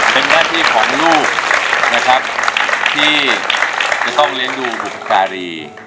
เป็นหน้าที่ของลูกนะครับที่จะต้องเลี้ยงดูบุพการี